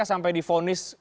sampai di vonis